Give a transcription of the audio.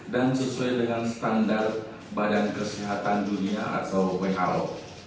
dan sesuai dengan standar badan kesehatan dunia atau who